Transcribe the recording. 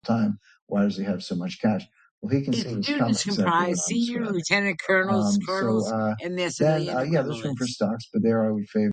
Its students comprise senior lieutenant colonels, colonels, and their civilian equivalents.